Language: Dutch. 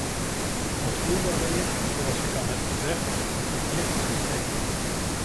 Ons doel daarbij is, zoals ik al heb gezegd, een verplicht systeem.